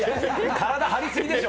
体張りすぎでしょ。